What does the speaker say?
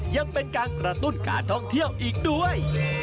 ยังเป็นการกระตุ้นการท่องเที่ยวอีกด้วย